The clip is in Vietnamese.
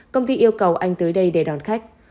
công ty yêu cầu anh tới đây để đón khách